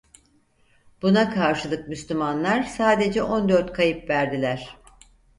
Buna karşılık Müslümanlar sadece on dört kayıp verdiler.